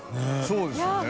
そうですよね。